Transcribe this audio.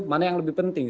mana yang lebih penting